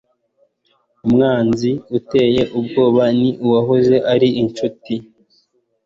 Umwanzi uteye ubwoba ni uwahoze ari inshuti.